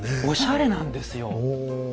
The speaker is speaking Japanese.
おしゃれなんですよ。